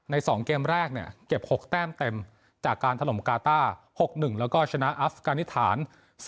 ๒เกมแรกเนี่ยเก็บ๖แต้มเต็มจากการถล่มกาต้า๖๑แล้วก็ชนะอัฟกานิสถาน